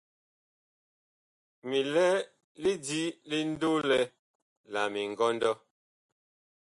Mi lɛ lidi ndolɛ la mingɔndɔ.